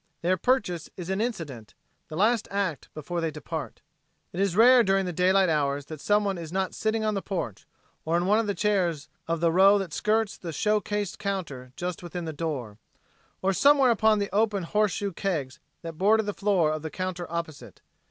Their purchase is an incident, the last act before they depart. It is rare during the daylight hours that someone is not sitting on the porch, or in one of the chairs of the row that skirts the show cased counter just within the door, or somewhere upon the open horseshoe kegs that border the floor of the counter opposite.